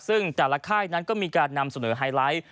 ซึ่งแต่ละค่ายนั้นก็มีการนำเสนอไฮไลท์